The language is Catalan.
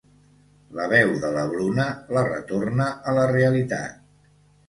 La veu de la Bruna la retorna a la realitat.